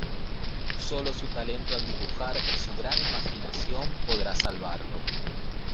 Sólo su talento al dibujar y su gran imaginación podrá salvarlo.